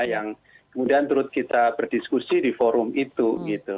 yang kemudian turut kita berdiskusi di forum itu gitu